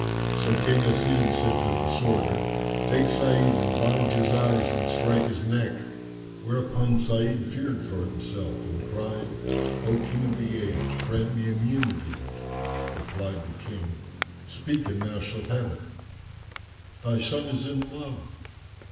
So King Asim said to the Sworder, "Take Sa'id and bind his eyes and strike his neck." Whereupon Sa'id feared for himself and cried, "O King of the Age, grant me immunity." Replied the King, "Speak and thou shalt have it." "Thy son is in love."